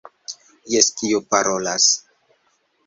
Jes, kiu parolas?